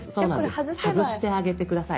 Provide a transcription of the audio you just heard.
外してあげて下さい。